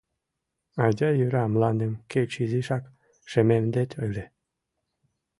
Айда йӧра, мландым кеч изишак шемемдет ыле.